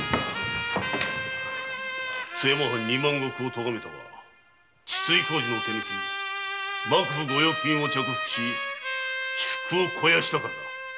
津山藩二万石を咎めたのは治水工事の手抜き幕府ご用金を着服し私腹を肥やしたからだ。